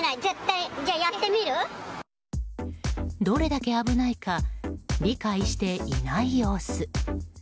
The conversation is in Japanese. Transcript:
どれだけ危ないか理解していない様子。